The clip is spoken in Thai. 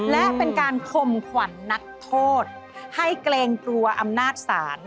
และเป็นการคมขวัญนักโทษให้เกรงกลัวอำนาจศาล